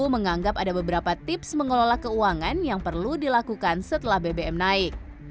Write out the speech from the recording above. menganggap ada beberapa tips mengelola keuangan yang perlu dilakukan setelah bbm naik